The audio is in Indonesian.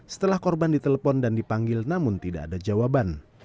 setelah korban ditelepon dan dipanggil namun tidak ada jawaban